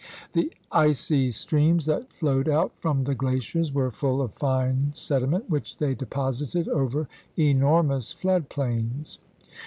The icy streams that flowed out from the glaciers were full of fine sediment, which they deposited over enormous flood plains.